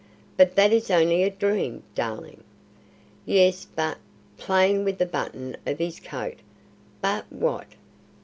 "But that is only a dream, darling." "Yes, but " playing with the button of his coat. "But what?"